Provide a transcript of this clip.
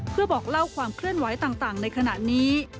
เพื่อบอกเล่าความเคลื่อนไหวต่างในขณะนี้